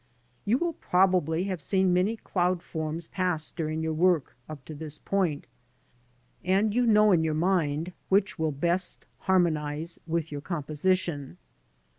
You will probably have seen many cloud forms pass during your work up to this point, and you know in your mind, which will best harmonise with your composition.